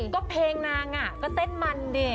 ก็เพลงนางน่ะก็เต้นมันเนี่ย